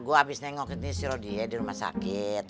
gue abis nengokin si rodia di rumah sakit